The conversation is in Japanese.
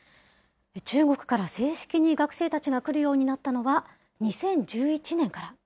中国から正式に学生たちが来るようになったのは２０１１年から。